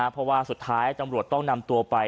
เพราะว่าสุดท้ายตำรวจต้องนำตัวไป